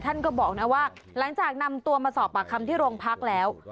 ท่านก็บอกนะว่าหลังจากนำตัวมาสอบปากคำที่โรงพักแล้ว